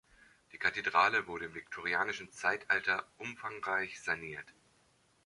Die Kathedrale wurde im viktorianischen Zeitalter umfangreich saniert.